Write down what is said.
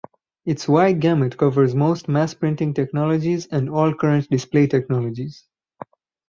Its wide gamut covers most mass printing technologies and all current display technologies.